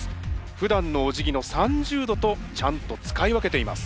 ふだんのおじぎの３０度とちゃんと使い分けています。